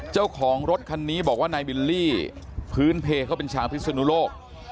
เจ้าของรถคันนี้บอกว่านายบิลลี่พื้นเพเขาเป็นชาวพิศนุโลก